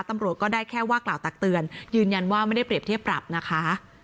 ตำรวจก็ได้แค่ว่ากล่าวตักเตือนยืนยันว่าไม่ได้เปรียบเทียบปรับนะคะ